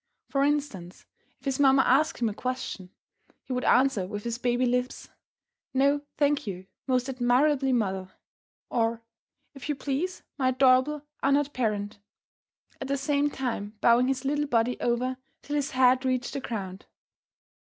For instance, if his mamma asked him a question, he would answer with his baby lips, "No, thank you, most admirable mother," or, "If you please, my adorable, honoured parent," at the same time bowing his little body over till his head reached the ground.